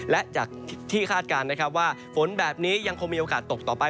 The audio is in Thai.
และจากที่คาดการณ์นะครับว่าฝนแบบนี้ยังคงมีโอกาสตกต่อไป